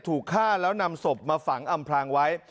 ถูกฆ่าแล้วนำศพมาฝังอำพลางไว้